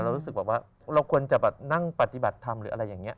รู้สึกแบบว่าเราควรจะแบบนั่งปฏิบัติธรรมหรืออะไรอย่างนี้